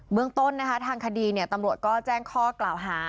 เมืองต้นทางคดีตำรวจแจ้งข้อเกราะหา